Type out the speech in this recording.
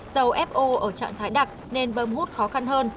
dầu fo ở trạng thái đặc nên bâm hút khó khăn hơn